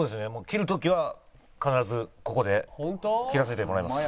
切る時は必ずここで切らせてもらいます。